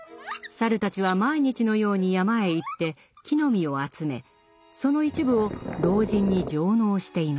猿たちは毎日のように山へ行って木の実を集めその一部を老人に上納していました。